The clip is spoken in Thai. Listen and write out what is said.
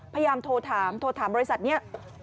พยายามโทรถามโทรถามบริษัทนี้